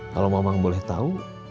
kalau mamang boleh tahu